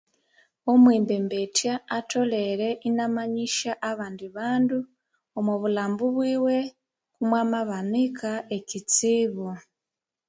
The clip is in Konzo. Omwembembethya atholere ina manyisya abandi bandu omu bulhambo bwiwe mwamabanika ekyitsibu